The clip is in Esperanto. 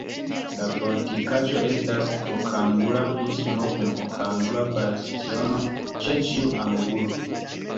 La fortikaĵo estas okangula prismo kun okangula bastiono ĉe ĉiu angulo.